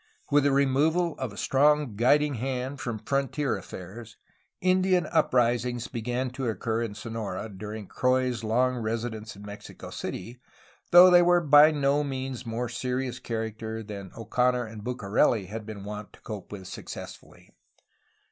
With the removal of a strong guiding hand from frontier affairs, Indian uprisings began to occur in Sonora, during Croix's long residence in Mexico City, though they were by no means of more serious character than Oconor and Bucareli had been wont to cope with successfully.